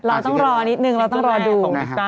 เราต้องรอนิดหนึ่งเราต้องรอดู